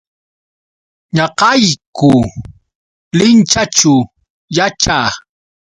Ñaqayku Linchaćhu yaćhaa.